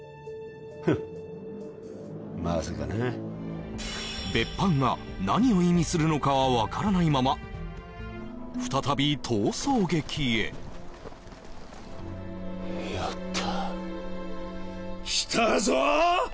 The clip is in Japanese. フンまさかな別班が何を意味するのかは分からないまま再び逃走劇へやった来たぞー！